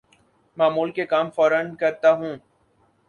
معمول کے کام فورا کرتا ہوں